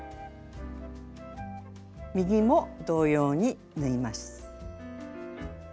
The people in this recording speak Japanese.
右も同様に縫います。